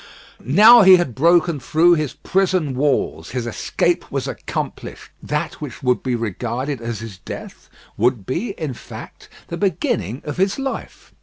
Now he had broken through his prison walls. His escape was accomplished. That which would be regarded as his death, would be, in fact, the beginning of his life.